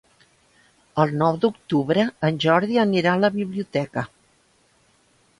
El nou d'octubre en Jordi anirà a la biblioteca.